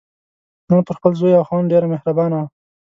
نن پر خپل زوی او خاوند ډېره مهربانه وه.